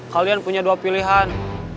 kalian punya dua pilihan